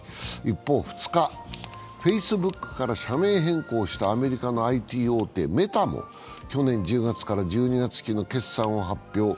一方、２日、フェイスブックから社名変更したアメリカのＩＴ大手、メタも去年１０月から１２月期の決算を発表。